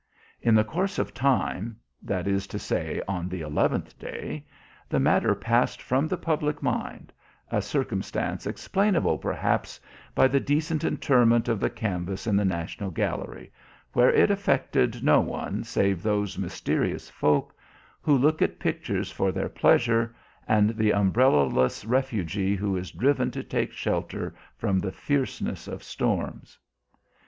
In the course of time that is to say, on the eleventh day the matter passed from the public mind, a circumstance explainable perhaps by the decent interment of the canvas in the National Gallery, where it affected no one save those mysterious folk who look at pictures for their pleasure and the umbrellaless refugee who is driven to take shelter from the fierceness of storms.